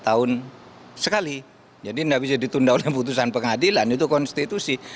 dua puluh tahun sekali jadi tidak bisa ditunda oleh putusan pengadilan itu konstitusi